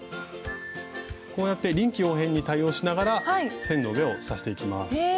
こうやって臨機応変に対応しながら線の上を刺していきます。